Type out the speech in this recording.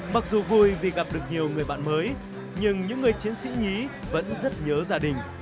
mặc dù vui vì gặp được nhiều người bạn mới nhưng những người chiến sĩ nhí vẫn rất nhớ gia đình